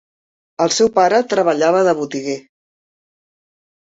El seu pare treballava de botiguer.